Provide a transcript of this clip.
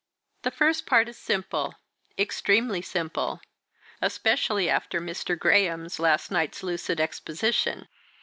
"The first part is simple, extremely simple. Especially after Mr. Graham's last night's lucid exposition.